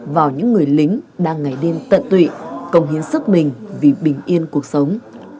các người lính đang ngày đêm tận tụy công hiến sức bình vì bình yên cuộc sống